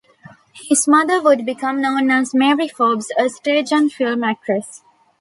His mother would become known as Mary Forbes, a stage and film actress.